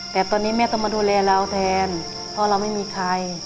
แต่ตอนนี้แม่ต้องมาดูแลเราแทนเพราะเราไม่มีใคร